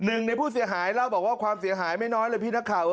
หนึ่งในผู้เสียหายเล่าบอกว่าความเสียหายไม่น้อยเลยพี่นักข่าว